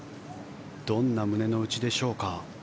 どんな胸の内でしょうか。